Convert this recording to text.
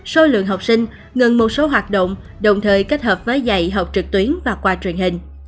số lượng học sinh ngừng một số hoạt động đồng thời kết hợp với dạy học trực tuyến và qua truyền hình